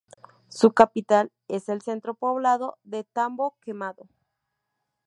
Su capital es el centro poblado de Tambo Quemado.